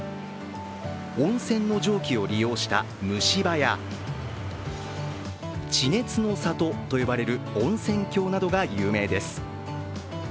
温泉の蒸気を利用した蒸し場や、地熱の里と呼ばれる温泉郷などが有名です。